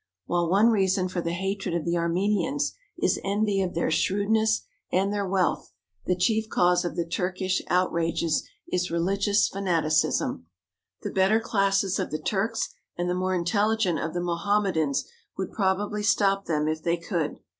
While one reason for the hatred of the Armenians is envy of their shrewdness and their wealth, the chief cause of the Turkish outrages is religious fanaticism. The better classes of the Turks and the more intelligent of the Mohammedans would probably stop them if they could.